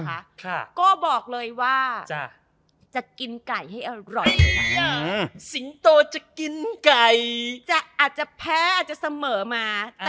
ค่ะก็บอกเลยว่าจะกินไก่ให้อร่อยสิงโตจะกินไก่จะอาจจะแพ้อาจจะเสมอมา